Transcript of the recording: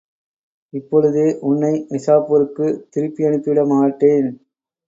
இப்பொழுதே உன்னை நிசாப்பூருக்குத் திருப்பியனுப்பிவிட மாட்டேன்.